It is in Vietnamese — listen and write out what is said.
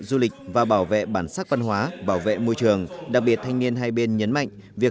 du lịch và bảo vệ bản sắc văn hóa bảo vệ môi trường đặc biệt thanh niên hai bên nhấn mạnh việc